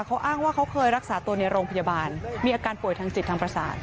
เขาอ้างว่าเขาเคยรักษาตัวในโรงพยาบาลมีอาการป่วยทางจิตทางประสาท